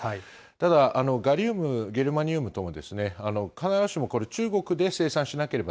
ただ、ガリウム、ゲルマニウムとも、必ずしも中国で生産しなけれ